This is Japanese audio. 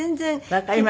わかりますよ